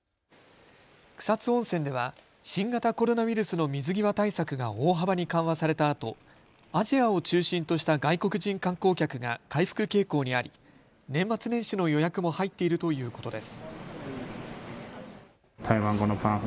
草津温泉では新型コロナウイルスの水際対策が大幅に緩和されたあと、アジアを中心とした外国人観光客が回復傾向にあり年末年始の予約も入っているということです。